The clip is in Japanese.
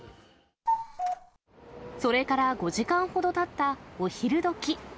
それから５時間ほどたったお昼どき。